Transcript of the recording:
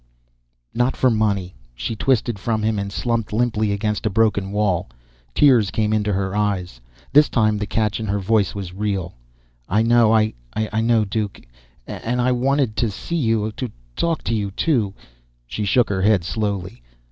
"Not for money." She twisted from him and slumped limply against a broken wall. Tears came into her eyes. This time the catch in her voice was real. "I know ... I know, Duke. And I wanted to see you, to talk to you, too." She shook her head slowly.